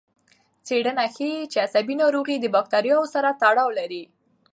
څېړنه ښيي چې عصبي ناروغۍ د بکتریاوو سره تړاو لري.